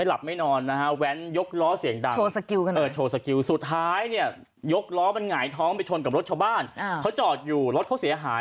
แล้วมันก็ฉลับไปชนรถชาวบ้านเขาจอดอยู่ดี